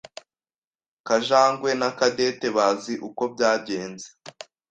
Kajangwe Na Cadette bazi uko byagenze.